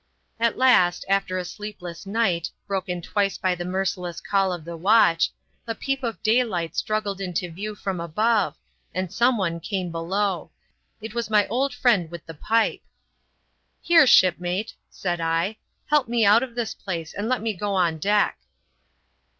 At last, after a sleepless night, broken twice by the merciless call of the watch, a peep of daylight struggled into view from above, and some one came below. It was my old friend with the pipe. " Here, shipmate," said I, " help me out of this place, and let me go on deck.